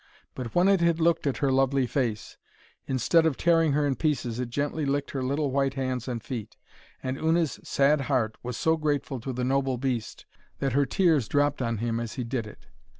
But when it had looked at her lovely face, instead of tearing her in pieces it gently licked her little white hands and feet. And Una's sad heart was so grateful to the noble beast that her tears dropped on him as he did it.